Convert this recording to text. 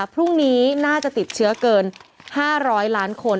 พรุ่งนี้น่าจะติดเชื้อเกิน๕๐๐ล้านคน